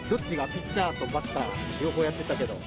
ピッチャーとバッター、両方やってたけど。